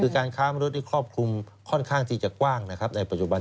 คือการค้ามนุษย์ครอบคลุมค่อนข้างที่จะกว้างนะครับในปัจจุบัน